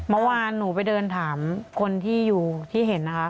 เมื่อวานหนูไปเดินถามคนที่อยู่ที่เห็นนะคะ